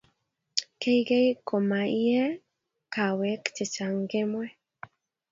keikei ko ma iee kawek che chang kemoi